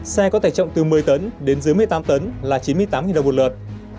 xe có thể trọng từ một mươi tấn đến dưới một mươi tám tấn là chín mươi tám đồng một lượt